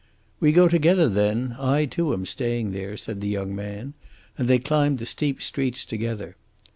"We go together, then. I, too, am staying there," said the young man, and they climbed the steep streets together.